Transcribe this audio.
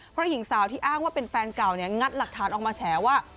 เพราะหญิงสาวที่อ้างว่าเป็นแฟนเก่าเนี่ยงัดหลักฐานออกมาแฉว่า